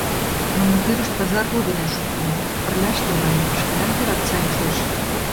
Нунын пӱрышт пазар ру дене шуктымо, пырляште, маньым, шкенан пӱрат сайын шуэш.